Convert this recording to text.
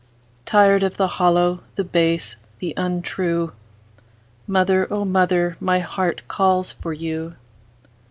Tired of the hollow, the base, the untrue, Mother, O mother, my heart calls for you!